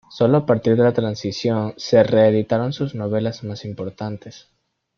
Sólo a partir de la Transición se reeditaron sus novelas más importantes.